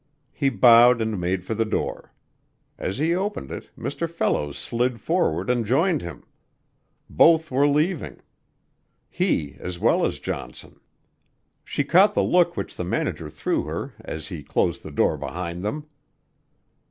He bowed and made for the door. As he opened it, Mr. Fellows slid forward and joined him. Both were leaving. He as well as Johnson. She caught the look which the manager threw her as he closed the door behind them.